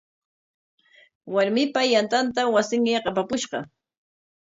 Warmipa yantanta wasinyaq apapushqa.